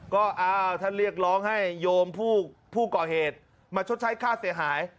ก็อ้าวท่านเรียกร้องให้โยมผู้ก่อเหตุมาชดใช้ค่าเสียหาย